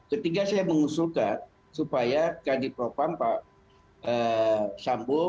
ketiga saya mengusulkan supaya kadif propam pak sambu